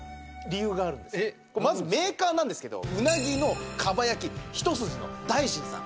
まずメーカーなんですけどうなぎのかば焼きひと筋の大新さん。